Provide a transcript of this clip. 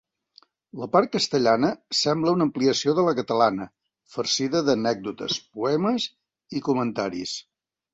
La part castellana sembla una ampliació de la catalana, farcida d'anècdotes, poemes i comentaris.